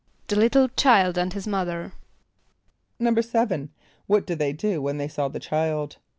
=The little child and his mother.= =7.= What did they do when they saw the child?